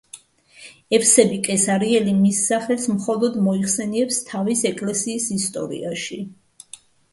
ევსები კესარიელი მის სახელს მხოლოდ მოიხსენიებს თავის „ეკლესიის ისტორიაში“.